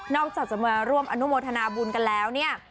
อกจากจะมาร่วมอนุโมทนาบุญกันแล้วเนี่ย